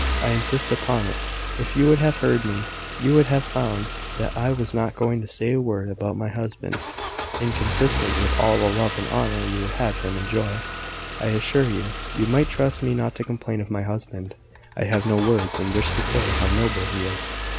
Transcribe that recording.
I insist upon it. If you would have heard me, you would have found that I was not going to say a word about my husband inconsistent with all the love and honour you would have him enjoy. I assure you, you might trust me not to complain of my husband. I have no words in which to say how noble he is.